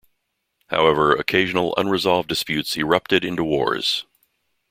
However, occasional unresolved disputes erupted into wars.